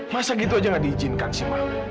masa gitu aja gak diizinkan sih ma